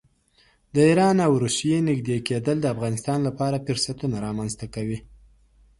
د ایران او روسیې نږدې کېدل د افغانستان لپاره فرصتونه رامنځته کوي.